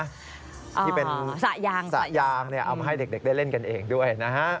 ที่เป็นสระยางเอามาให้เด็กได้เล่นกันเองด้วยนะฮะ